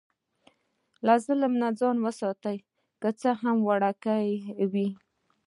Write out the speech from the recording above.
له ظلم نه ځان وساته، که څه هم وړوکی وي.